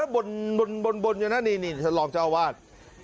บนบนบนอย่างนั้นนี่นี่รองเจ้าอาวาส